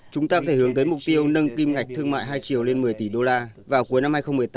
chúng ta có thể hướng tới mục tiêu nâng kim ngạch thương mại hai triệu lên một mươi tỷ đô la vào cuối năm hai nghìn một mươi tám